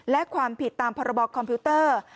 และความผิดตามพรบคอมพิวเตอร์